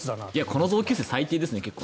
この同級生、最低ですね。